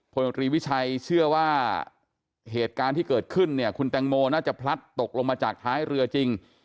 ผลตรีวิชัยเชื่อว่าเหตุการณ์ที่เกิดขึ้นเนี่ยคุณแตงโมน่าจะพลัดตกลงมาจากท้ายเรือจริง